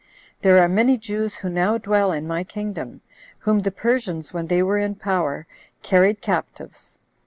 There are many Jews who now dwell in my kingdom, whom the Persians, when they were in power, carried captives.